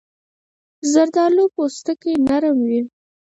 زردالو پوستکی نرم وي.